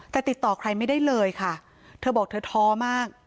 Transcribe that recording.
แต่ติดต่อใครไม่ได้เลยค่ะเธอบอกเธอท้อมาก